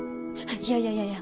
いやいやいやいや。